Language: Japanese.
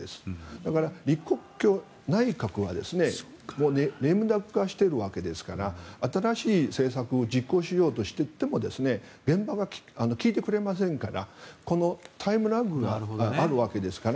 だから李克強内閣はレームダック化しているわけですから新しい政策を実行しようとしていても現場が聞いてくれませんからこのタイムラグがあるわけですから。